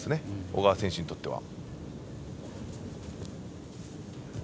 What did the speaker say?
小川選手にとっては。